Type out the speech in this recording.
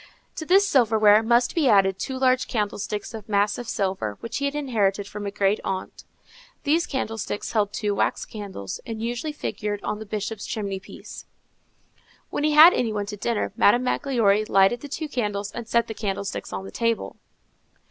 To this silverware must be added two large candlesticks of massive silver, which he had inherited from a great aunt. These candlesticks held two wax candles, and usually figured on the Bishop's chimney piece. When he had any one to dinner, Madame Magloire lighted the two candles and set the candlesticks on the table.